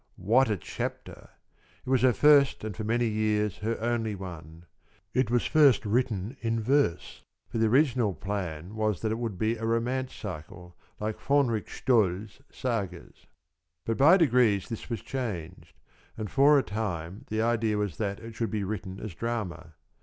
What a chapter! It was her first and for many years her only one. It was first written in verse, for the original plan was that it should be a romance cycle, like "Fänrik Stål's Sagas." But by degrees this was changed, and for a time the idea was that it should be written as drama.